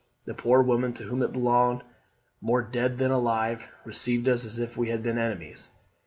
The poor woman to whom it belonged, more dead than alive, received us as if we had been enemies.